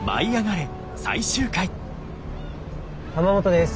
玉本です。